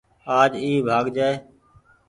آج اي ڀآڳ جآئي ۔